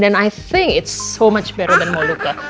dan saya pikir ini lebih baik dari molucca